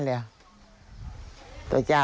สมาชา